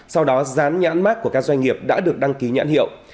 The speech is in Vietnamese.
sau đó rán nhãn mát của các doanh nghiệp đã được đăng ký nhãn hiệu